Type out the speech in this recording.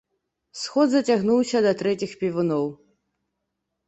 Сход зацягнуўся да трэціх певуноў.